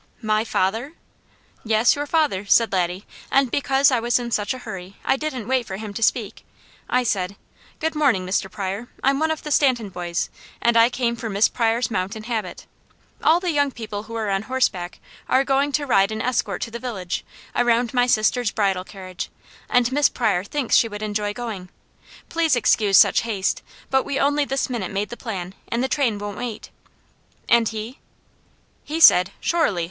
"My father?" "Yes, your father!" said Laddie. "And because I was in such a hurry, I didn't wait for him to speak. I said: 'Good morning, Mr. Pryor. I'm one of the Stanton boys, and I came for Miss Pryor's mount and habit. All the young people who are on horseback are going to ride an escort to the village, around my sister's bridal carriage, and Miss Pryor thinks she would enjoy going. Please excuse such haste, but we only this minute made the plan, and the train won't wait.'" "And he?" "He said: 'Surely!